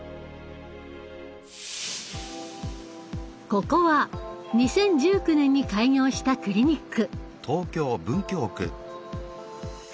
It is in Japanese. ここは２０１９年に開業したクリニック。